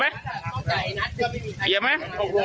เหยียบไหม